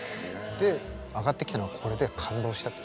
で上がってきたのがこれで感動したっていう。